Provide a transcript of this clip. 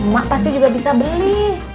mak pasti juga bisa beli